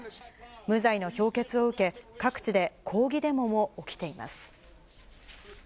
無罪の評決を受け、各地で抗議デモも起きています。